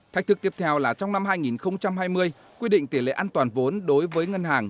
thách thức tiếp theo là trong năm hai nghìn hai mươi quy định tỷ lệ an toàn vốn đối với ngân hàng